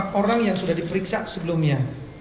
empat orang yang sudah diperiksa sebelumnya